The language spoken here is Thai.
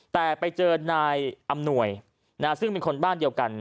แต่ไปเจอนายอำนวยซึ่งเป็นคนบ้านเดียวกัน